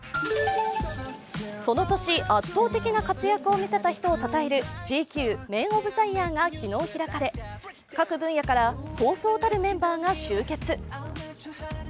その年、圧倒的な活躍を見せた人をたたえるＧＱＭＥＮＯＦＴＨＥＹＥＡＲが昨日開かれ各分野からそうそうたるメンバーが集結。